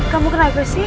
kamu kenapa sih